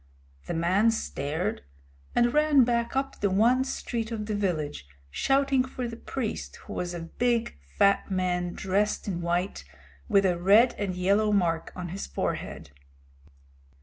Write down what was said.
The man stared, and ran back up the one street of the village shouting for the priest, who was a big, fat man dressed in white, with a red and yellow mark on his forehead.